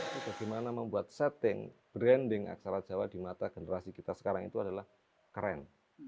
bagaimana membuat setting branding aksara jawa di mata generasi kita sekarang itu adalah keren